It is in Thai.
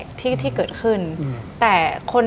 ดิงกระพวน